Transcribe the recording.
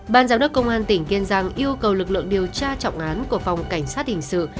ban giám đốc công an tỉnh kiên giang yêu cầu lực lượng điều tra trọng án của phòng cảnh sát hình sự